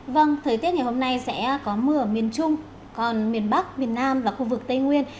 vâng thời tiết ngày hôm nay sẽ có mưa ở miền trung còn miền bắc miền nam và khu vực tây nguyên